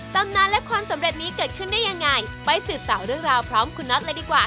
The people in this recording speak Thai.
ตำนานและความสำเร็จนี้เกิดขึ้นได้ยังไงไปสืบสาวเรื่องราวพร้อมคุณน็อตเลยดีกว่า